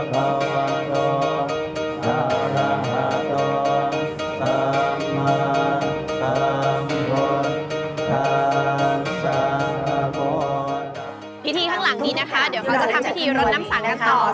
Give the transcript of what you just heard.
พิธีข้างหลังนี้นะคะเดี๋ยวเขาจะทำพิธีรดน้ำสังกันต่อ